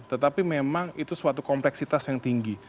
tetapi memang itu suatu kompleksitas yang tinggi